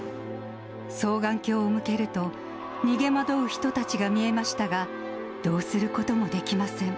双眼鏡を向けると、逃げ惑う人たちが見えましたが、どうすることもできません。